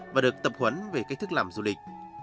và được tập huấn về cách thức làm du lịch